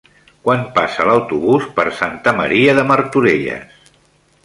Quan passa l'autobús per Santa Maria de Martorelles?